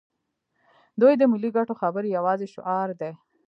دوی د ملي ګټو خبرې یوازې شعار دي.